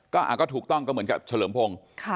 ก็ถูกต้องก็เหมือนกับเฉลิมพงศ์